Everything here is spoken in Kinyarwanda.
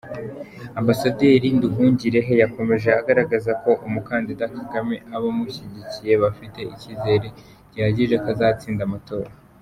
Ambasaderi Nduhungirehe yakomeje agaragaza ko umukandida Kagame abamushyigikiye bafite icyizere gihagije ko azatsinda amatora.